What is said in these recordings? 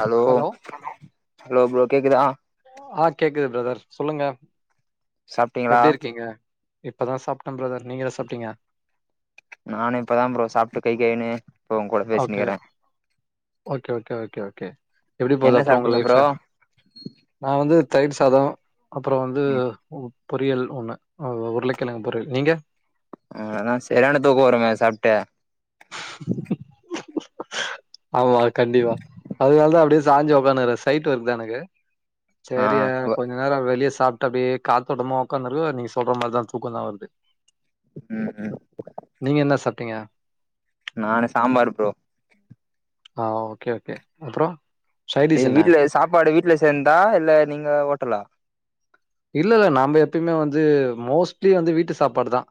hello hello bro கேக்குதா ஆ கேக்குது பிரதர் சொல்லுங்க சாப்ட்டீங்களா எப்டி இருக்கீங்க இப்பதா சாப்ட்ட பிரதர் நீங்க எத சாப்ட்டீங்க நானே இப்பதா ப்ரோ சாப்ட்டு கை களிவின்னு இப்ப ஓ கூட ஓகே பேசினிக்கிற ஓகே ஓகே ஓகே ஓகே எப்டி போகுது என்ன அப்ரோ உங்க சாப்ட்டீங்க ப்ரோ லைஃப்பு நா வந்து தயிர் சாதோ அப்ரோ வந்து பொரியல் ஒன்னு உருளக்கெழங்கு பொரியல் நீங்க ஆ ஆனா சரியான தூக்கொ வருங்க சாப்டு ஆமா கண்டிப்பா அதுனால தா அப்டியே சாஞ்சு உக்கானுகுரெ சைட் ஒர்க் தா எனக்கு ஆ சேரியா கொ இன்னேரொ வெளிய சாப்ட்டு அப்டியே காத்தோட்டமா உக்காந்துருக்க நீங்க சொல்ற மார்த தூக்கொ தா வருது ம் ம் நீங்க என்ன சாப்ட்டீங்க நானு சாம்பார் ப்ரோ ஆ ஓகே ஓகே அப்ரோ எங் வீட்ல சாப்பாடு வீட்ல செந்தா இல்ல நீங்க ஓட்டலா இல்ல இல்ல நம்ப எப்பயுமே வந்து மோஸ்ட்லி வந்து வீட்டு சாப்பாடு தா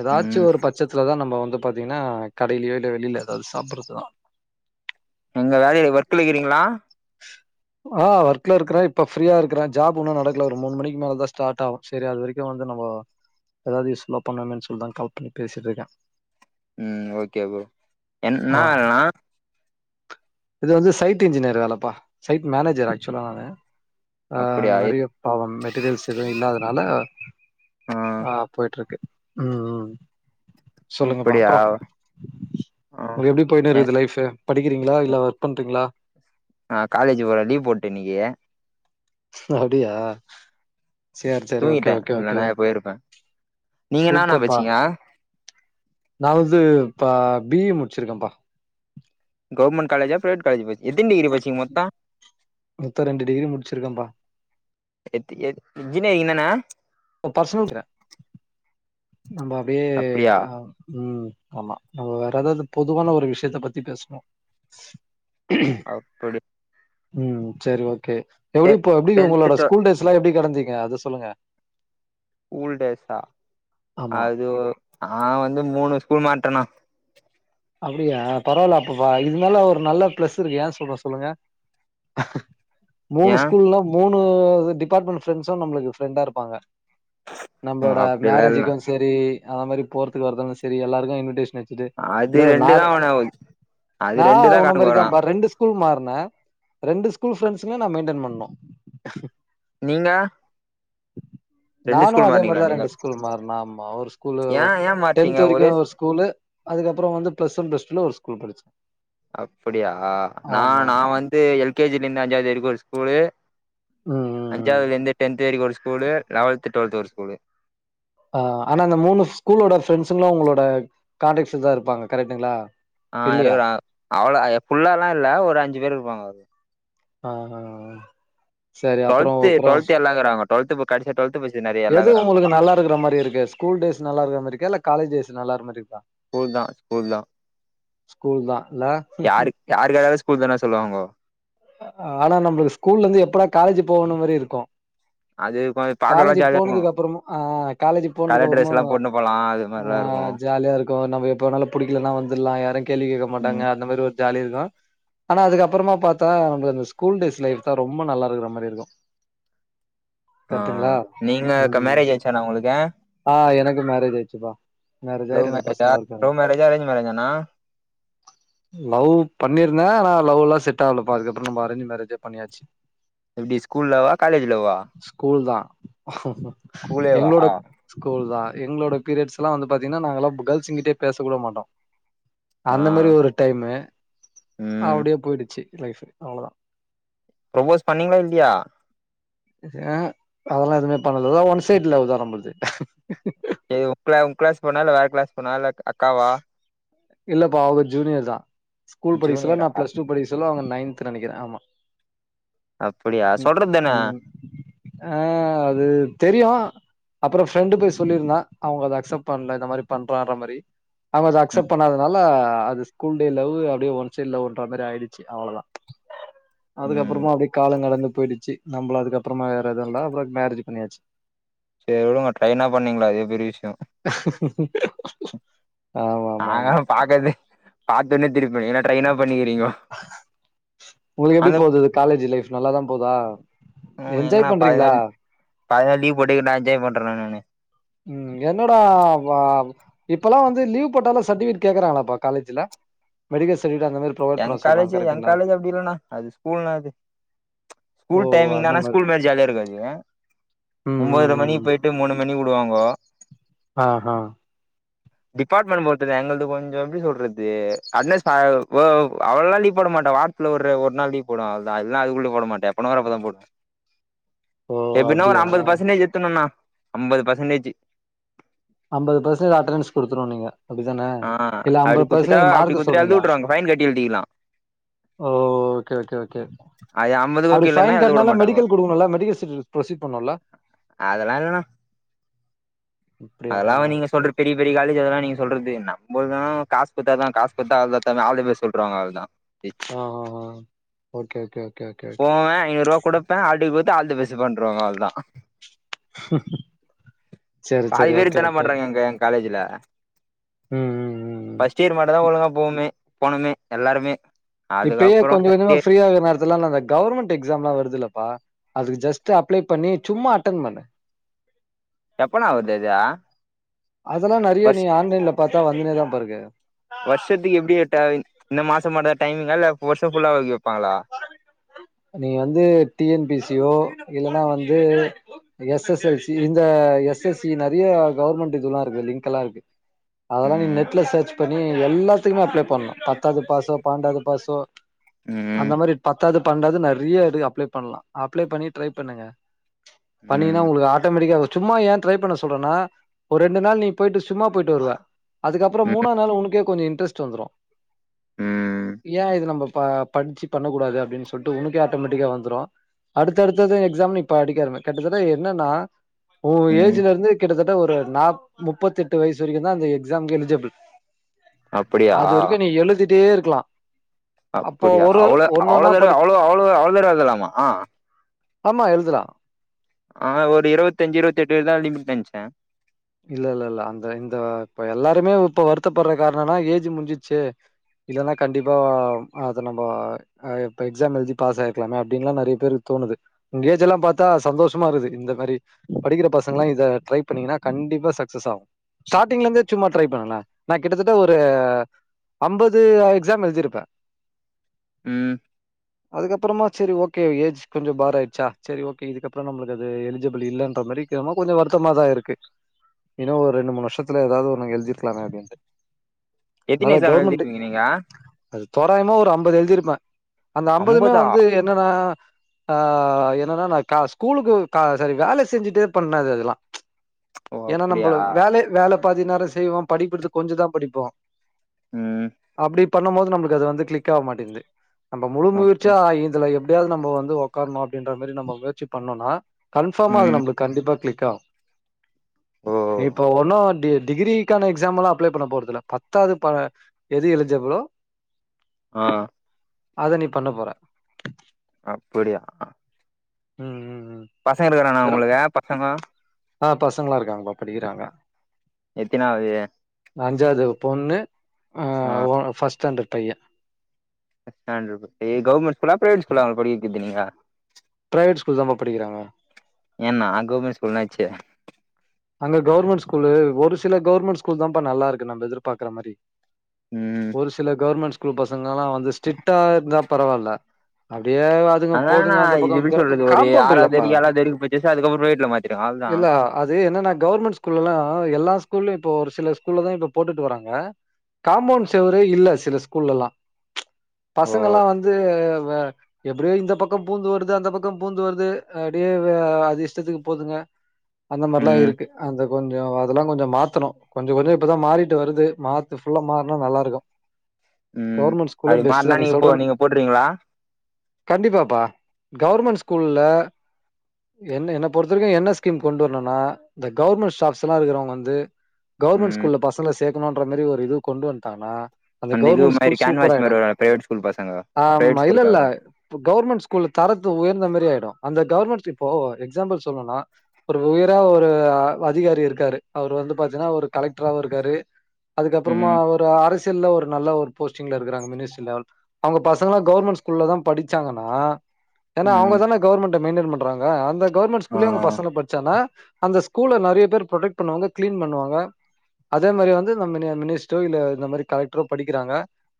எதாச்சு ம் ஒரு பட்சத்துலதா நம்ம பாத்தீங்னா கடைலயோ இல்ல வெளில எதாது சாப்புட்றதுதா எங்க வேலயில ஒர்க்குலக்குறீங்ளா ஆ ஒர்க்லர்க்குற இப்ப ஃப்ரியா இருக்குற ஜாப் இன்னு நடக்கல ஒரு மூணு மணிக் மேல தா ஸ்டாட் ஆவு சரி அது வரக்கு வந்து நம்ம ஏதாவது யூஸ்புல்லா பண்ணன்மேனு சொல்லிதா கால் பண்ணி பேசிட்ருக்க ம் ஓகே ப்ரோ ஆ என்னா வேல நா இது வந்து சைட் இஜ்ஜினியர் வேலப்பா சைட் மேனேஜர் ஆக்சுலா நானு அ அப்படியா நெறய பாவொ மெட்டிரியல்ஸ் எதுவ் இல்லாதனால ஆ போய்ட்ருக்கு ம் ம் சொல்லுங்கப்பா அப்படியா அப்ரோ ஆ உங்களுக்கு எப்டி போய்ன்னு இருக்குது லைஃப்பு படிக்கிறீங்ளா இல்ல ஒர்க் பண்றீங்ளா நா காலேஜ் போறே லீவ் போட்ட இன்னக்கி அப்டியா சேர் சேரி ஓகே தூங்கிட்டே ஓகே ஓகே இல்லன்னா போயிருப்பே நீங்க என்னான்னா சூப்பர்பா பச்சீங்க நா வந்து பா பீ இ முடிச்சிருக்கேப்பா கவர்மென்ட் காலேஜா பிரைவேட் காலேஜ் பஜ் எத்தின் டிகிரி பட்சிங்க மொத்தோ மொத்த ரெண்டு டிகிரி முடிச்சிருக்கேன்ப்பா எத் எத் இஞ்ஜினேரிங் தான பர்சனல்றே நம்ப அப்டியே அப்டியா அ உம் ஆமா நம்ம வேற ஏதாவது பொதுவான ஒரு விஷயத்த பத்தி பேசணு உம் அப்டி உம் சேரி ஓகே டெ எப்டி இப்ப எப்டி டென்த்து உங்களோட டு ஸ்கூல் டேஸ் எல்லா எப்டி கடந்தீங்க அத சொல்லுங்க ஸ்கூல் டேஸா ஆமா அது நா வந்து மூணு ஸ்கூல் மார்டேனா அப்டியா பரவாயில்ல அப்பவா இந்தாலு ஒரு நல்ல பிளஸ் இருக்கு ஏன்னு சொல்றே சொல்லுங்க மூணு ஏ ஸ்கூல்ல மூணு டிபார்ட்மெண்ட் ஃப்ரெண்ட்ஸு நம்ளுக்கு ஃப்ரெண்டா இருப்பாங்க நம்மளோட அப்டிலா இல்ல மேரேஜுக்கு செரி அந்த மாரி போறதுக்கு வரதுக்கு செரி எல்லாருக்கு இன்விடேஷன் வச்சுட்டு அது ஏ ரெண்டு தா நாரெய்யா அவன அது நா ரெண்டு தா உன்ன கணக்கு வரு மாரிதாப்பா ரெண்டு ஸ்க் ஸ்கூல் மார்னே ரெண்டு ஸ்கூல் ப்ரெண்ஸ்மே நா மெயின்டென் பண்ணனு நீங்க ரெண்டு நானு ஸ்கூல் அதே மாட்னீங்களா மாரிதா நீங்க ரெண்டு ஸ்கூல் மார்னே ஆமா ஒரு ஸ்கூல் ஏ ஏ மாட்டீங்க டென்த் வரைக்கு ஒரே ஒரு ஸ் ஸ்கூலு அதுக்கப்ரோ வந்து பிளஸ் ஒன் பிளஸ் டூல ஒரு ஸ்கூல் படிச்சே அப்டியா நா ஆமா நா ஆமா வந்து எல் கேஜில இருந்து அஞ்சாவது வரைக்கு ஒரு ஸ்கூலு ம் ம் ம் அஞ்சாவதுல இருந்து டென்த் வரைக்கு ஒரு ஸ்கூலு லெவன்து டுவல்த் ஒரு ஸ்கூலு ஆ ஆனா அந்த மூணு ஸ்கூலோட ஃரெண்ட்ஸுங்களு உங்களோட கான்டக்ட்ஸ்ல தா இருப்பாங்க கரெக்டுங்களா ஆ இருக்குறாங்க அவ்ளோ அ ஃபுல்லால்லா இல்ல ஒரு அஞ்சு பேர் இருப்பாங்க ஆஆ டுவல்த் டுவல்த்து எல்லாம் இருக்கறாங்க டுவல்த் இப்ப கடசியா டுவல்த் பசங்க நெறையா எது உங்களுக்கு நல்ல இருக்கற மாரி இருக்கு ஸ்கூல் டேஸ் நல்லா இருக்குற மாரி இருக்கா இல்ல காலேஜ் டேஸ் நல்லா மாரி இருக்கா ஸ்கூல் தா ஸ்கூல் தா ஸ்கூல் தா இல்ல யாரு யாருக்காருந்தாலு ஸ்கூல் தான சொல்லுவாங்கோ ஆனா நம்மளுக்கு ஸ்கூல் இருந்து எப்படா காலேஜ் போகணும் மாரி இருக்கும் அது பாத் காலேஜி போனதுக்கு அப்றமு ஆ காலேஜி போனதுக்கு கலர் ட்ரெஸ் அப்றமு எல்லா போட்னு போலா அது ஆ மாரிலா இருக்கு ஜாலியா இருக்கும் நம்ம எப்ப வேனாலு புடிக்கலனா வந்துரலாம் யாரும் கேள்வி கேட்க மாட்டாங்க ம் அந்த மாரி ஒரு ஜாலி இருக்கும் ஆனா அதுக்க அப்றமா பாத்தா அந்த ஸ்கூல் டேஸ் லைஃப் தா ரொம்ப நல்லா இருக்குற மாரி இருக்கும் ஆ கரெக்ட்டுங்களா நீங்க ம் கண்ணாடியாயிடுச்சானா உங்களுக்கு ஆ எனக்கு மேரேஜ் ஆயிடுச்சுப்பா மேரேஜ் ஆயி லவ் ரெண்டு மேரேஜா பசங்களு இருக்காங்க லவ் மேரேஜா அரேஞ் மேரேஜானா லவ் பண்ணிருந்தே ஆனா லவ் லா செட் ஆகல பா அதுகப்றம்மா நம்ம அரேஞ் மேரேஜே பண்ணியாச்சு எப்டி ஸ்கூல் லவ்வா காலேஜ் லவ்வா ஸகூல் தா ஸ்கூலேவா எங்களோட ஆ ஸ்கூல் தான் எங்களோட பீரியட்ஸ் எல்லாம் வந்து பாத்தீங்கன்ன நாங்க எல்லாம் கேர்ள்ஸ்ங்கிட்டயே பேச கூட மாட்டோம் அந்த மாரி ஒரு டைமு ம் அப்டியே போயிடுச்சு லைஃப் அவ்ளவுதா ப்ரோபஸ் பண்ணீங்ளா இல்லையா ஆ அதெல்லாம் எதுவுமே பண்ல அதா ஒன் சைடு லவ் தா நம்மது இது உங்க உங்க கிளாஸ் பொண்ணா இல்ல வேற கிளாஸ் பொண்ணா அக்காவா இல்லப்பா அவங்க ஜூனியர் தா ஸ்கூல் படிச்சல ஜூனியரா நான் பிளஸ் டூ படிக்கச்சல அவுங்க நைன்த் நெனைக்கிறே ஆமா அப்பிடியா ம் சொல்றதான ம் ஆ அது தெரியு அப்புறோ ஃப்ரெண்டு போய் சொல்லிருந்தா அவங்க அத அக்செப்ட் பண்ணல இந்த மாரி பண்றான்ற மாரி அவங்க அது அக்செப் ம் பண்ணாதுனால அது ஸ்கூல் டே லவ் அப்டியே ஒன் சைட்லன்ற மாரி ஆயிடிச்சி அவ்ளதா ம் அதுக்கப்புறமா அப்டியே காலோ கடந்து போயிடிச்சி நம்மள அதுக்கப்புறமா வேற எதுவு இல்ல அப்புறோ மேரேஜ் பண்ணியாச்சி சேரிவுடுங்க ட்ரைனா பண்ணீங்கள அதே பெரிய விஷ்யோ [unintelligible] ஆமா ஆமா நாங்க ஆமா பாக்கதே பாத்தோனே திருப்பு ஏன்ன ட்ரெயனா பண்ணிக்கறீங்கோ உங்களுக்கு எப்டி போது காலேஜ் லைஃப் நல்லாதா போதா என்ஜாய் பண்றீங்களா பாதி நாள் லீவ் போட்டுக்கிட்டா நா என்ஜாய் பண்றேனா நானு ம் என்னடா வா இப்பெல்ல வந்து லீவ் போட்டாலே சர்டிபிகேட் கேக்கறாங்களாப்பா காலேஜ்ல மெடில் சர்டிகேட் அந்த மாரி ப்ரொவைட் எங் பண்ண சொல்றாங்க காலேஜ் எங் கரெக்டுங்களா காலேஜ் அப்டி இல்லனா அது ஸ்கூல்னா அது ஓ ஸ்கூல் அந்த டைமிங்தானா ஸ்கூல் மாரி ஜாலியா இருக்காது ம் ம் ஒன்பதரை மணிக்கு ம் போயிட்டு ட்டு மூனு மணிவுடுவாங்கோ ஆ ஆஹ் டிபார்ட்மெண்ட் போத்தது எங்கது கொஞ்சோ எப்டி சொல்றது அடனஸ் அ ஒ அவ்ளல்லா லீ் போடமாட்டா வாரத்துல ஒரு ஒரு நாள் லீ் போடுவே அவ்ல்தா இல்லா அதுக்குள்ள போடமாட்ட எப்பனா வரப்பதா போட ஓ எப்பின்னா ஒரு அப்டியா அம்பது பர்சன்டேஜ் எத்துணுன்னா அம்பது பர்சன்டேஜ் அம்பது பர்ஸ்ன் அட்டன்ஸ் கொடுத்துருவோ நீங்க அப்டித்தான ஆ இல்ல அப்டி அம்பது குத்துட்டா பர்சன்ஜ் அப்டி மார்க் குத்துட்டா எழுதி சொல்றீங்களா வுட்ருவாங்க ஃபைன் கட்டி எழுதிக்கலா ஓ ஓகே ஓகே ஓகே அய்ய அம்மது அப்டி ஃபைன் கட்டனால மெடிக்கல் குடுணுல்ல மெடிக்கல் சட்ஃபிக்கெட் ப்ரசீட் பண்ணுல்ல அதெல்லா இல்லன்னா அதெல்லா அப்டியாவா வ நீங்க சொல்ற சேரி பெரிய பெரிய காலேஜ் அதெல்லா நீங்க சொல்றது நம்முலுகு காசு குடுத்தா தா காசு குத்தா அவ்லதாமே ஆல்த பெஸ்ட் சொல்றாங்க அவ்லதா ஆ ஆ ஆ okay okay okay okay okay போவே ஐநூறுவா கூட ப்பே அடுகுத்து ஆள்த பெஸ் பண்ருவாங்க அல்தா சேரி சேரி பாதி பேர் ஓகே இத்தான ஓகே பண்றாங்க எங்க காலேஜ்ல ம் ம் ம் ம் ஃபஸ்ட் இயர் மட்டுதா ஒழுங்கா போவமே போனமே எல்லாருமே இப்பயே அதுக்கப்புறோ கொஞ்ச செகண்ட் கொஞ்ச இயர் ஃப்ரீயா இருக்க நேரத் த்துலா அந்த கவர்மெண்ட் எக்ஸாம்லா வருதுல்ப்பா அதுக்கு ஜஸ்ட் அப்ளை பண்ணி சும்மா அட்டன் பண்ணு எப்பண்ணா வருது அது அதெல்லா நெறைய வர்ஷ் நீ ஆன்லைன்ல பாத்தா வந்துனே தா பா இருக்கு வருஷத்துக்கு எப்டி எட்டா இந்த மாசம் மட்டு தா டைமிங்கா இல்ல வருஷம் ஃபுல்லா வை வப்பாங்களா நீ வந்து டி என் பி சி யோ இல்லன்னா வந்து எஸ் எஸ்ஸஎல் சி இந்த எஸ் எஸ் சி நெறைய கவர்மெண்ட் இதுெல்லா இருக்கு லிங்க்ல்லா இருக்கு அதெல்லா நீ ம் நெட்ல சர்ச் பண்ணி எல்லாத்துக்குமே அப்ளை பண்ணு பத்தாது பாசோ பண்டாது பாசோ ம் அந்த மாரி பத்தாது பண்டாது நெறைய இரு அப்ளேபண்ணலா அப்ளே பண்ணி ட்ரை பண்ணுங்க பண்ணி ன்னா ம் உங்களுக்கு ஆட்டோமேட்டிக்கா சும்மா ஏ ட்ரை பண்ண சொல்றனா ஒரு ரெண்டு நாள் நீ போயிட்டு சும்மா போயிட்டு வருவ அதுக்கப்புறோ ம் மூனா நாள் உனக்கே கொஞ்சோ இன்ட்ரெஸ்ட் வந்துரு ம் ஏ இது நம்ம ப படிச்சி பண்ணக்க கூடாது அப்டின் சொல்ட்டு உனக்கே ஆட்டோமட்டிக்கா வந்துரு அடுத்தடுத்தது எக்ஸாம்னு படிக்க ஆர கிட்டத்தட்ட என்னனா ஓ ம் ஏஜ்ல இருந்து கிட்டத்தட்ட ஒரு நா முப்பத்தி எட்டு வயசு வரைக்கு தா அந்த எக்ஸாம் எலிஜபிள் அப்படியா அது வரைக்கு நீ எழுதிட்டே இருக்லா அப்டியா அவ்ளோ அவ்ளோ ஒன்னொன்னா தடவ படி அவ்ளோ அவ்ளோ அவ்ளோ தடவ எழுதலாமா ஆமா எழுதலா ஆ ஒரு இருவத்தஞ்சு இருவத்தெட்டு தா லிமிட் நென்ச்சே இல்ல இல்ல இல்ல அந்த இந்த இப்ப எல்லாருமே இப்ப வருத்தப்பட்ற காரணம்னா ஏஜ் முட்ஞ்சிச்சே இல்ன்னா கண்டிப்பா அது நம்ப அ இப்ப எக்ஸாம் எழுதி பாஸ் ஆயிருக்லாமே அப்டின்ல்லா நறைய பேருக்கு தோனுது உங்ககேஜ் ஏஐ எல்லா பாத்தா சந்தோஷமா இருகுது இந்த மாரி படிக்கிற பசங்கல்லா இத ட்ரை பண்ணீங்ன்னா கண்டிப்பா சக்சஸ் ஆவு ஸ்டார்டிங்ல இருந்தே சும்மா ட்ரை பண்ணுங்லே நா கிட்டத்தட்ட ஒரு அம்பது எக்ஸாம் எழுதிருப்பே ம் அதுக்கப்றமா சேரி ஓகே ஏஜ் கொஞ்ச பார் ஆய்ட்ச்சா சேரிஓகே இதுக்கப்றோ நம்ளுக்கு அது எலிஜிபிள் இல்லன்ற மாரி இதமா கொஞ்சோ வருத்தமா தா இருக்கு இன்னு ஒரு ரெண்டு மூணு வர்ஷத்துல ஏதாவ்து ஒன்னு எழுதிருக்லாமே அப்டின்ட்டு எத்தினி அதனால எக்ஸாம் கவர்மெண்ட்டு எழுதிருக்கீங்க நீங்க அது தோராயமா ஒரு அம்பது எழுதிருப்பே அந்த அம்பதுமே அம்பதா வந்து என்னன்னா ஆ என்னன்னா நா கா ஸ்கூலுக்கு சாரி நா வேல செஞ்சிட்டே பண்ணது அதெல்லா ஓ ஏன்னா அப்படியா நம்மபள வேல வேல பாதி நேரோ செய்வோ படிப்பது கொஞ்சதா படிப்போ ம் அப்டி பண்ணு போது நம்ளுக்கு அது வந்து காளிக் ஆக மாட்டேந்து நம்ம முழு அப்போ முயற்சியா இதுல எப்டி யாவது நம்ப வந்து உக்காரணு அப்டின்ற மாரி நம்ம முயற்சி பண்ணோனா கன்ஃபாமா அது ம் நம்ளுக்கு கண்டிப்பா க்ளிக் ஆவு ஓ இப்ப ஒன்னு டி டிகிரி க்னா எக்ஸாம்லா அப்ளே பண்ண போறதுல பத்தாவது அ எது எலிஜபிளோ அ அத நீ பண்ண போற அப்புடியா ம் ம் ம் பசங்க இருக்கிறானா வெறு உங்ளுக்கு பசங்க ஆ பசங்ளா இருக்காங்கப்பா படிக்றாங்க எத்தினாவது அஞ்சாவது பொண்ணு அ ஆ அ ஃபஸ்ட் ஸ்டாண்டர்ட் பையே [unintelligible] கவ்ர்மெண்ட் ஸ்கூலா பிரைவேட் க்கூல்லா படிக்க வைக்றது நீங்க பிரைவேட் ஸ்கூல்தாப்பா படிக்றாங்க ஏன்னா கவ்ர்மென்ட் ஸ்கூல் என்னாச்சு அங்க கவ்ர்மெண்ட் ஸ்கூலு ஒரு சில கவ்ர்மெண்ட் ஸ்கூல் தாப்ப நல்லாருக்கு நம்ம எதிர்பாக்ற மாரி ம் ஒரு சில கவ்ர்மெண்ட் ஸ்கூல் பசங்க எல்லா வந்து ஸ்ட்ரிக்டா இருந்தா பரவால்ல அப்டியே வரு துங்க அதாண்ணா போதுங்க அந்த இது பக்கோ எப்டி க் சொல்றது ஒரு காம்பவுண்ட் ஆறாவது இல்லப்பா வரைக்கு ஏழாவது வரைக்கு படிச்சாச்சு அதுக்கப்புறோ ப்ரைவேட்ல மாத்திருக்கே அவ்ளதா இல்ல து என்னன்னா கவ்ர்மெண்ட் ஸ்கூல்ல எல்லா ஸ்கூல்லயு இப்ப ஒரு சில ஸ்கூல்ல தா இப்ப போட்டுட்டு வராங்க காம்பவுண்ட் செவுரே இல்ல சில ஸ்கூல்லல்லா ஓ பசங்கெல்லா வந்து எப்டியோ இந்த பக்கோ பூந்து வருது அந்த பக்கோ பூந்து வருது அப்டியே அது இஷ்டத்துக்கு போதுங்க அந்த மாரிலா ம் இருக்கு அந்த கொஞ்சோ அதெல்லா கொஞ்சோ மாத்துணு கொஞ்சோ கொஞ்சோ இப்பதா மாறிட்டு வருது மாத்து ஃபுல்லா மாறுனா நல்லா இருக்கு ம் கவர்மெணட் ஸ்கூலே அப்டி பெஸ்ட் தா மாறுனா நீ நீங்க போ சொல்ற நீங்க போட்ருவீங்களா கண்டிப்பாப்பா கவர்மெண்ட் ஸ்கூல்ல என்ன என்ன பொறுத்தரைக்கு என்ன ஸ்கீம் கொண்டு வர னுனா இந்த கவர்மெண்ட் ஸ்டாஃப்ல்லா இருக்குறவங்க வந்து கவர்மெண்ட் ம் ஸ்கூல்ல பசங்கள சேக்கணுன்ற மாரி ஒரு இது கொண்டு வந்ட்டாங்கனா அந்த இது கவுர்மெண்ட் மாரி ஸ்கூல் கேன்வாஸ் சூப்பராயிடு மாரி வருல்ல பிரைவேட் ஸ்கூல் பசங்க ஆம் மா பிரைவேட் ஸ்கூல்ல இல்லெல்ல வரு இப்ப கவர்மெண்ட் ஸ்கூல்ல தரத்த உயர்ந்த மேரி ஆன்லைன் யிடு அந்த கவர்மெண்ட் இப்போ எக்ஸாம்பிள் சொல்னுனா இப்ப ஒரு உயரா ஒரு அதிகாரி இருக்காரு அவுரு வந்து பாத்தீன்னா ஒரு கலெக்டராவு இருக்காரு அதுக்கப்றோமா ம் ஒரு அரசியல்ல ஒரு நல்ல ஒரு போஸ்டிங்ல இருக்குறாங்க மினிஸ்ரி லெவல் அவுங்க பசங்களா கவர்மெண்ட் ஸ்கூல்ல தா படிச்சாங்கன்னா ஏனா அவுங்க ம் தான கவர்மெண்ட மெயின்டெயின் பண்றாங்க அந்த கவர்மென்ட் ஆ ஸ்கூல்லே அவுங்க பசங்க ப டிச்சானா அந்த ஸ்கூல நெறைய பேர் ப்ரொடெக்ட் பண்ணுவாங்க க்ளீன் பண்ணுவாங்க அதே மாரி வந்து இந்த மினி மினிஸ்ரோ இல்ல இந்த மாரி கலெக்ட்ரோ படிக்கிறாங்க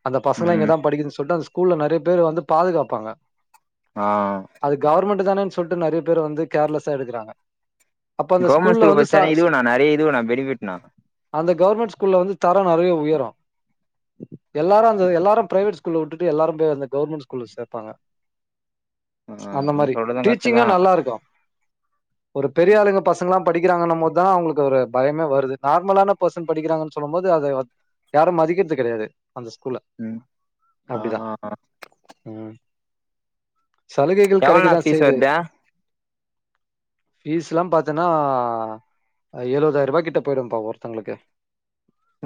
அந்த பசங்களா ம் இங்கதா படிக்குதுனு சொல்ட்டு அந்த ஸ்கூல்ல நெறைய பேரு வந்து பாதுகாப்பாங்க ஆ அது கவர்மெண்ட் தானேன்னு சொல்ட்டு நெறைய பேர் வந்து கேர்லஸ்ஸா எடுக்குறாங்க அப்ப அந்த கவர்மெண்ட் ஸ்கூல்ல வந்து ச பட்ச்சாலே இதுனா நெறைய இதுவுனா பெனிபிட்ணா அந்த கவர்மெண்ட் ஸ்கூல்ல வந்து தரோ நெறைய உயரு எல்லாரு அந்த எல்லாரு பிரவேட் ஸ்கூல்ல விட்டுட்டு எல்லாரு அந்த கவர்மெண்ட் ஸ்கூல்ல சேப்பாங்க ஆ அந்த நீங்க மாரி சொல்றது கரெக்ட்டு தா டீச்சிங்கு நல்லாருக்கு ஒரு பெரிய ஆளுங்க பசங்கெல்லா படிக்கிறாங்கனு போது தா அவுங்களுக்கு ஒரு பயமே வருது நார்மலான பர்சன் படிக்கிறாங்கன்னு சொல்லு போது அத யாரு மதிக்கிறது கெடையாது அந்த ஸ்கூல்ல ம் ஆ அப்டிதா ஆ ம் சலுகைகள் எவ்ளோண்ணா கெடைக்கதா ஃபீஸ் செய்து வருது ஃபீஸ் எல்லா பாத்தீன்னா எழுவதாயிர ரூபா கிட்ட போய்டும்பா ஒருத்தவங்களுக்கு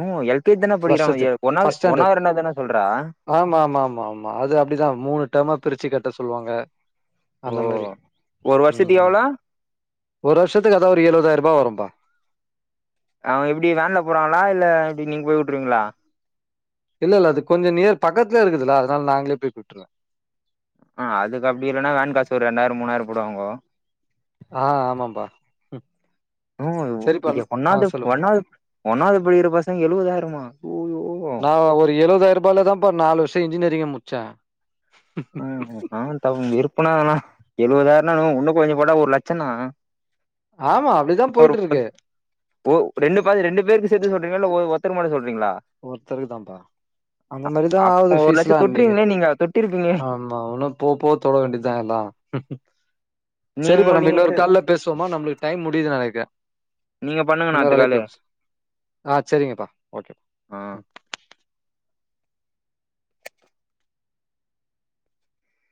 நோ எல் கே ஜ் தான படிக்றா ஒன்னாவது ஃபர்ஸ்ட் ஸ்டாண்டர்ட் ஒன்னாவது ரெண்டாவது தான சொல்ற ஆமா ஆமா ஆமா ஆமா அது அப்டிதா மூணு டேம்மா பிரிச்சு கட்ட சொல்லுவாங்க ஓ அந்த மாரி ஒரு வருஷதிக் ம் எவ்ளோ ஒரு வருஷத்து அதா ஒரு எழுபதாயிர ரூபா வரும்பா அவுங்க எப்டி வேன்ல போறாங்களா இல்ல எப்டி நீங்க போய் வுட்டுருவீங்ளா இல்ல இல்ல அது கொஞ்சோ நியர் பக்கத்துலே இருக்குதுல அதுனால நாங்களே போய் கூட்ருவ ஆ அதுக்கு அப்டி இலைன்னா வேன் காசு ஒரு ரெண்டாயிரோ மூணாயிரோ போடுவாங்கோ ஆ ஆமாம்பா நோ சரிப்பா ஆ ஒன்னாவுது சொல்லு ஒன்னாவுது ஒன்னாவுது படிகிற பசங்க எழுவதாயிரமா ஐயோ நா ஒரு எழபதாயிரோ ரூபாய்ல்ல தான்ப்ப நாலு வருஷோ இன்ஜினியரிங்கே முடிச்சே ம் ஆ த இருப்பனானா எழுவதாயிரன்னா இன்னோ கொஞ்சோ போடா ஒரு லட்சோனா ஆமா அப்டிதா போயிட்டு இருக்கு ஓ ரெண்டு பாதி ரெண்டு பேருக்கு சேத்து சொல்றீங்ல்லா இல்ல ஒருத்தருக்கு மட்டு சொல்றீங்ளா ஒருத்தருக்கு தாப்பா அந்த மாரிதா ஆகுது அப்ப ஒரு ஃபீஸ்லா லட்சம் இன்னக்கி தொட்டுருவீங்களே நீங்க தொட்டிருப்பீங்களே ஆமா இன்னு போ போ தொட வேண்டியதா எல்லாம் நீ சரிப்பா உங்க நம்ம நீங்க இன்னொரு கால்ல பேசுவோமா நம்மளுக்கு டைம் முடியுதுனு நெனக்குற நீங்க பண்ணுங்கண்ணா இன்னொரு அழைப்புல அத்துக்காலு பேசு‌ஆ சரிங்கப்பா ஓகே ஆ